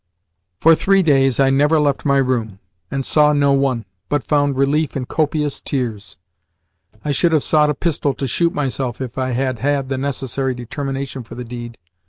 For three days I never left my room, and saw no one, but found relief in copious tears. I should have sought a pistol to shoot myself if I had had the necessary determination for the deed.